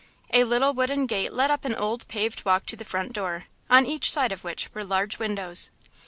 A little wooden gate led up an old paved walk to the front door, on each side of which were large windows.